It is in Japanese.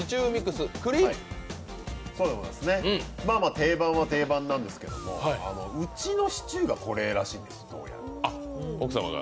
定番は定番なんですけれどもうちのシチューがこれらしいんですよ。